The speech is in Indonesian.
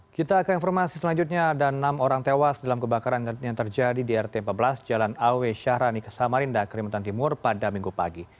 kita ke informasi selanjutnya ada enam orang tewas dalam kebakaran yang terjadi di rt empat belas jalan awe syahrani ke samarinda kalimantan timur pada minggu pagi